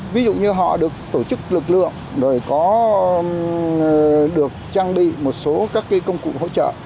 ví dụ như họ được tổ chức lực lượng rồi được trang bị một số các công cụ hỗ trợ